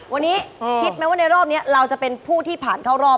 วันนี้คิดไหมว่าในรอบนี้เราจะเป็นผู้ที่ผ่านเข้ารอบ